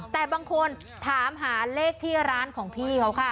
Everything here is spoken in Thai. แต่บางคนถามหาเลขที่ร้านของพี่เขาค่ะ